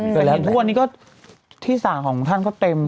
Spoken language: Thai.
ข้อมูลที่สั่งของท่านก็เต็ม